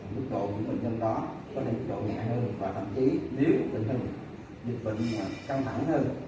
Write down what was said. bức độ những bệnh nhân đó có thể bức độ nhẹ hơn và thậm chí nếu tình hình dịch bệnh căng thẳng hơn